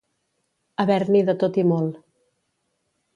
Haver-n'hi de tot i molt.